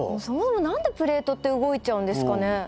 そもそも何でプレートって動いちゃうんですかね。